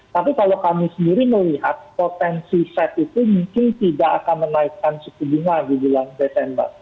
tapi kalau kami sendiri melihat potensi fed itu mungkin tidak akan menaikkan suku bunga di bulan desember